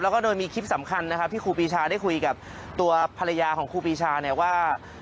แล้วก็โดยมีคลิปสำคัญนะครับที่ครูปีชาได้คุยกับตัวภรรยาของครูปีชาเนี่ยว่า